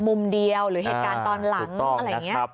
มุมเดียวหรือเหตุการณ์ตอนหลังอะไรอย่างนี้